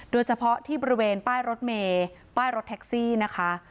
โดยเฉพาะที่บริเวณป้ายรถเมย์ป้ายรถแท็กซี่นะคะ